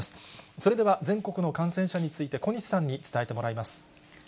それでは全国の感染者について、小西さんに伝えてもらいます。